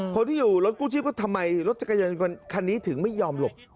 คนที่อยู่รถกู้ชีพก็ทำไมรถจักรยานยนต์คันนี้ถึงไม่ยอมหลบ